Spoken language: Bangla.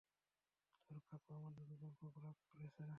তোর কাকু আমাদের উপর খুব রাগ করেছে।